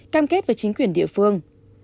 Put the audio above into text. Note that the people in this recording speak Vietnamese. cam kết với chính quyền địa phương